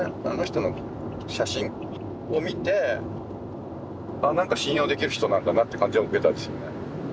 あの人の写真を見てああなんか信用できる人なんだなって感じを受けたんですよね。